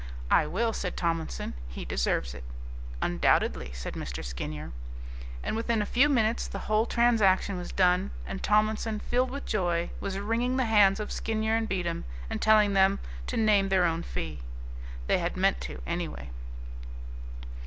"I will," said Tomlinson; "he deserves it." "Undoubtedly," said Mr. Skinyer. And within a few minutes the whole transaction was done, and Tomlinson, filled with joy, was wringing the hands of Skinyer and Beatem, and telling them to name their own fee. They had meant to, anyway.